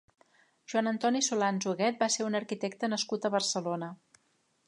Joan Antoni Solans Huguet va ser un arquitecte nascut a Barcelona.